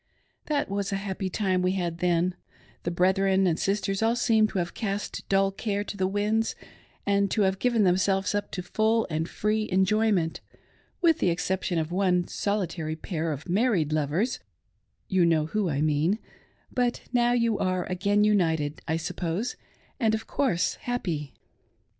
That was a happy time we had then ; the brethren and sis ters all seemed to have cast dull care to the winds, and to have given themselves up to full and free enjoyment, with the exception of one solitary pair of married lovers — you know who I mean — but now you are again united, 1 suppose, and, of course happy.